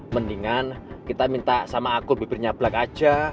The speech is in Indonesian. mendingan kita minta sama akun bibir nyabrak aja